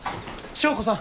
祥子さん！